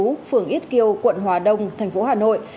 phường ít kiều quận hòa đông thành phố hà nội